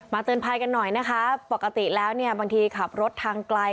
เตือนภัยกันหน่อยนะคะปกติแล้วเนี่ยบางทีขับรถทางไกล